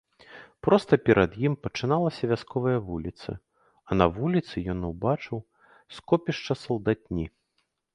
Проста перад ім пачыналася вясковая вуліца, а на вуліцы ён убачыў скопішча салдатні.